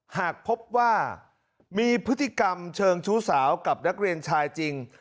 หากพบว่ามีพฤติกรรมเชิงชู้สาวกับนักเรียนชายจริง